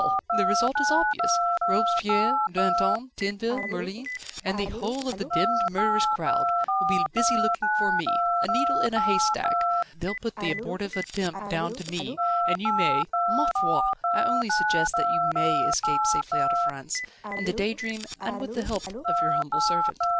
the result is obvious. Robespierre, Danton, Tinville, Merlin, and the whole of the demmed murderous crowd, will be busy looking after me a needle in a haystack. They'll put the abortive attempt down to me, and you may ma foi! I only suggest that you may escape safely out of France in the Daydream, and with the help of your humble servant."